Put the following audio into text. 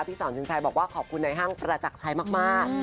สอนสินชัยบอกว่าขอบคุณในห้างประจักรชัยมาก